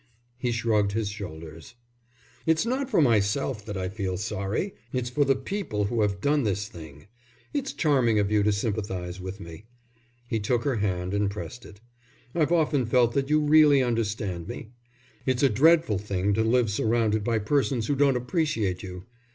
He shrugged his shoulders. "It's not for myself that I feel sorry, it's for the people who have done this thing. It's charming of you to sympathise with me." He took her hand and pressed it. "I've often felt that you really understand me. It's a dreadful thing to live surrounded by persons who don't appreciate you.